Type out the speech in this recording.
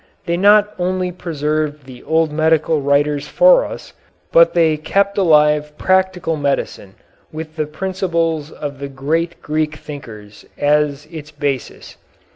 They not only preserved the old medical writers for us, but they kept alive practical medicine with the principles of the great Greek thinkers as its basis.